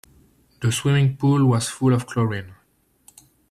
The swimming pool was full of chlorine.